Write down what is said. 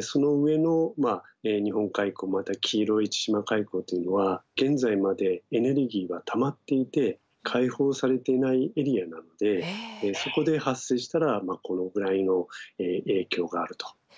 その上の日本海溝また黄色い千島海溝というのは現在までエネルギーがたまっていて解放されていないエリアなんでそこで発生したらこのぐらいの影響があると。